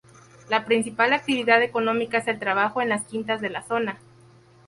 La principal actividad económica es el trabajo en las quintas de la zona.